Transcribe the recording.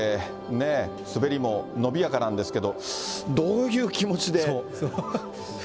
滑りも伸びやかなんですけれども、どういう気持ちで。